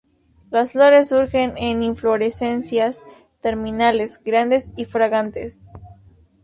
Las flores surgen en inflorescencias terminales, grandes y fragantes.